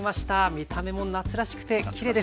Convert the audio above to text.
見た目も夏らしくてきれいです。